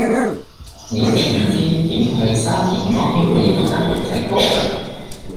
你知唔知點去沙田安興里嗰間缽仔糕